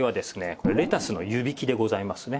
これレタスの湯引きでございますね。